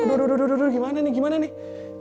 aduh aduh aduh gimana nih gimana nih